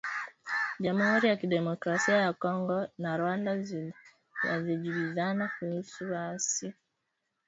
Jamuhuri ya Kidemokrasia ya Kongo na Rwanda zajibizana kuhusu waasi wa M ishirini na tatu